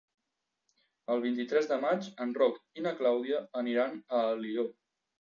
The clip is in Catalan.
El vint-i-tres de maig en Roc i na Clàudia aniran a Alió.